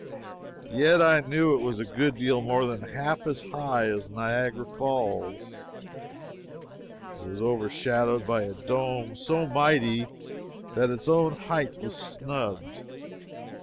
Yet I knew it was a good deal more than half as high as Niagara Falls. It was overshadowed by a dome so mighty that its own height was snubbed.